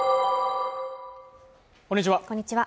こんにちは